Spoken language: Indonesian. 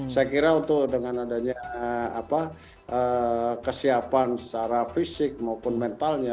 saya kira untuk dengan adanya kesiapan secara fisik maupun mentalnya